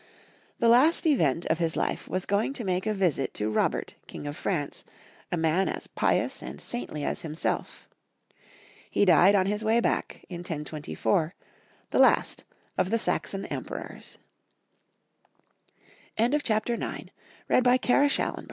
The last event of his life was going to make a visit to Robert, King of France, a man as pious and saintly as himself. He died on his way back, in 1024, the last of the Saxon Emperors. CHAPTER X. THE FRANCONIAN LINE.